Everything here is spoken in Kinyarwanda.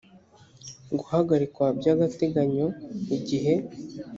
guhagarikwa by agateganyo igihe